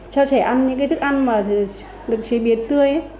cho trẻ ăn những cái thức ăn mà được chế biến tươi